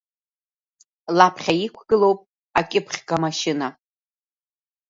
Лаԥхьа иқәгылоуп акьыԥхьга машьына.